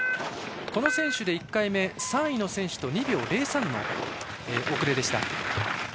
この選手、１回目３位の選手と２秒０３の遅れでした。